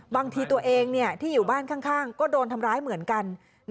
บางทีตัวเองที่อยู่บ้านข้างก็โดนทำร้ายเหมือนกัน